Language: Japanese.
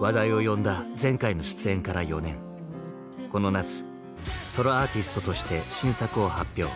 話題を呼んだ前回の出演から４年この夏ソロアーティストとして新作を発表。